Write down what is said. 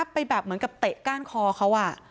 ไปแบบเหมือนกับเตะก้านคอเขา